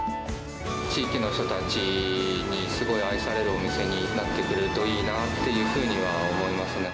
地域の人たちにすごい愛されるお店になってくれるといいなっていうふうには思いますね。